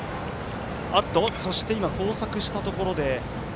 そして今、交錯したところで。